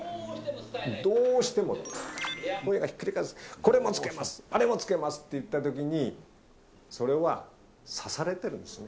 どうしても、声がひっくり返りそうに、これも付けます、あれも付けますって言ったときに、それは刺されてるんですよね。